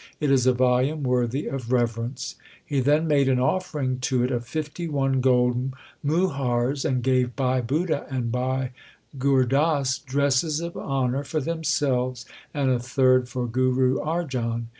It is a volume worthy of reverence. He then made an offering to it of fifty one gold muhars 2 , and gave Bhai Budha and Bhai Gur Das dresses of honour for themselves and a third for Guru Arjan.